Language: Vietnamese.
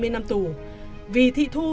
hai mươi năm tù vì thị thu